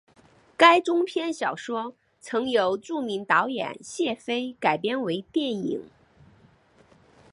该中篇小说曾由著名导演谢飞改编为电影。